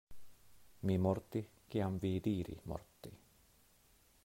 Mi morti, kiam vi diri morti.